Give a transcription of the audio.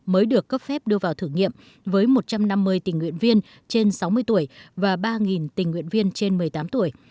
mới được cấp phép đưa vào thử nghiệm với một trăm năm mươi tình nguyện viên trên sáu mươi tuổi và ba tình nguyện viên trên một mươi tám tuổi